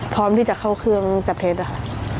พร้อมที่จะเข้าเครื่องจับเท็จอะค่ะ